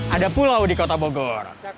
ada pulau di kota bogor